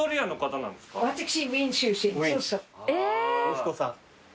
息子さん。